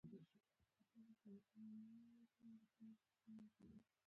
په هره ټولنه کې خرافات شته، خو لویه غمیزه دا ده.